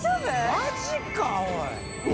マジかおい！